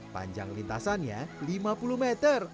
panjang lintasannya lima puluh meter